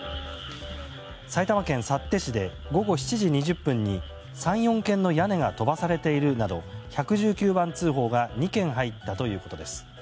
埼玉県幸手市で午後７時２０分に３４軒の屋根が飛ばされているなど１１９番通報が２件入ったということです。